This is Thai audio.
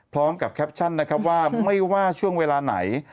แคปชั่นนะครับว่าไม่ว่าช่วงเวลาไหน